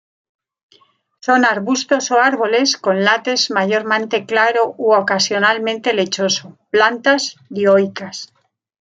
Son arbustos o árboles, con látex mayormente claro u ocasionalmente lechoso; plantas dioicas.